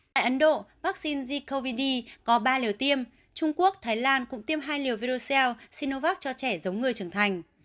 tại ấn độ vaccine z cov d có ba liều tiêm trung quốc thái lan cũng tiêm hai liều virocell sinovac cho trẻ giống người trưởng thành